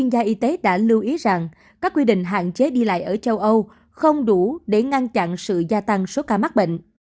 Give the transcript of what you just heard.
gia y tế đã lưu ý rằng các quy định hạn chế đi lại ở châu âu không đủ để ngăn chặn sự gia tăng số ca mắc bệnh